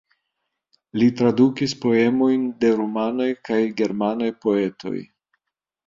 Li tradukis poemojn de rumanaj kaj germanaj poetoj.